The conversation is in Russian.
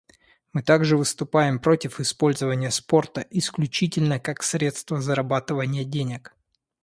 Мы также выступаем против использования спорта исключительно как средства зарабатывания денег.